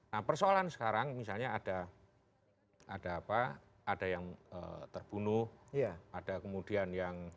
nah persoalan sekarang misalnya ada apa ada yang terbunuh ada kemudian yang